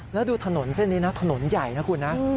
แล้วดูถนนเส้นนี้นะถนนใหญ่นะคุณนะ